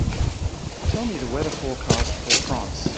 Tell me the weather forecast for France